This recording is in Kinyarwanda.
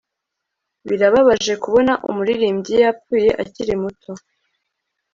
Birababaje kubona umuririmbyi yapfuye akiri muto